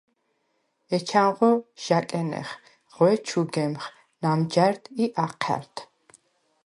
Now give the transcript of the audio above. ეჩანღო ჟ’ა̈კენეხ, ღვე ჩუ ჷგემხ ნამჯა̈რდ ი აჴა̈რდ.